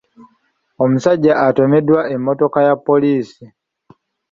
Omusajja atomeddwa emmotoka ya poliisi.